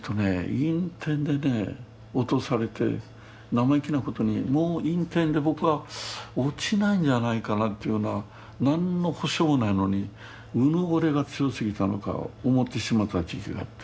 生意気なことにもう院展で僕は落ちないんじゃないかなというような何の保証もないのにうぬぼれが強すぎたのか思ってしまった時期があって。